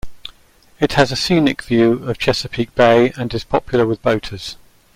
It has a scenic view of Chesapeake Bay and is popular with boaters.